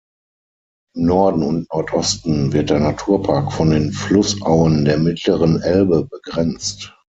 Im Norden und Nordosten wird der Naturpark von den Flussauen der mittleren Elbe begrenzt.